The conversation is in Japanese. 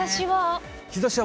日ざしは？